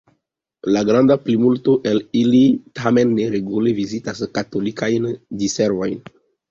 La granda plimulto el ili tamen ne regule vizitas katolikajn diservojn.